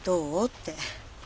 って。